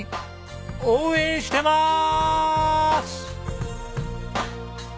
応援してます！